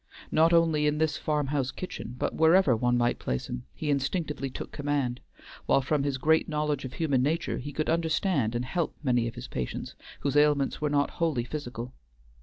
Not only in this farm house kitchen, but wherever one might place him, he instinctively took command, while from his great knowledge of human nature he could understand and help many of his patients whose ailments were not wholly physical.